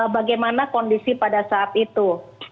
bagaimana kondisi pada saat itu